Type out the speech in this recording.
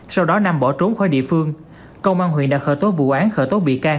sau đó nam bỏ trốn khỏi địa phương công an huyện đã khởi tố vụ án khởi tố bị can